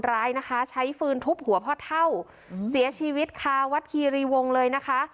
ร้ายนะคะใช้ฟืนทุบหัวพ่อเท่าเสียชีวิตคาวัดคีรีวงเลยนะคะ